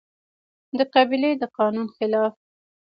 د قبيلې د قانون خلاف